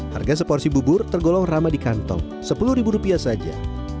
harga seporsi bubur tergolong ramah di kantong sepuluh ribu rupiah saja